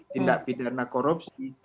tindak pidana korupsi